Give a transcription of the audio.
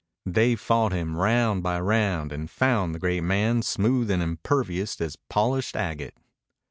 Dave fought him round by round and found the great man smooth and impervious as polished agate.